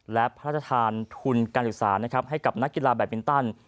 และพระราชทานทุนการศึกษานะครับให้กับนักกีฬาแบตมินตัน